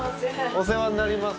お世話になります。